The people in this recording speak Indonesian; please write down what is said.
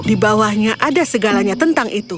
di bawahnya ada segalanya tentang itu